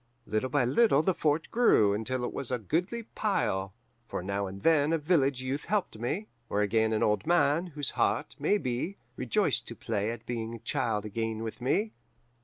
Little by little the fort grew, until it was a goodly pile; for now and then a village youth helped me, or again an old man, whose heart, maybe, rejoiced to play at being child again with me.